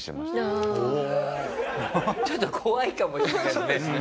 ちょっと怖いかもしれないですね